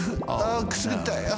あくすぐったい。